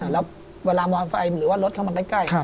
แล้วเวลามอเตอร์ไซด์หรือว่ารถเข้ามาใกล้